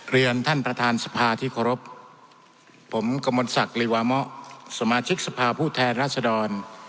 เรียนท่านประธานสภาที่เคราะห์ผมกัมมทรสักท์ธ์ริวามส่วนต้นสมาชิกสภาพผู้เทนรัชดร